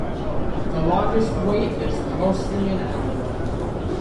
The longest wait is mostly an hour.